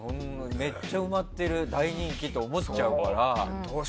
めっちゃ埋まっている大人気って思っちゃうから。